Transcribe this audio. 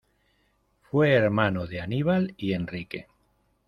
Fue hermano de Aníbal y Enrique.